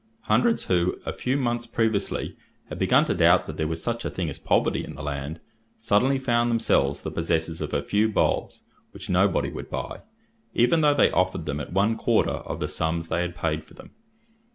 Hundreds who, a few months previously, had begun to doubt that there was such a thing as poverty in the land, suddenly found themselves the possessors of a few bulbs, which nobody would buy, even though they offered them at one quarter of the sums they had paid for them.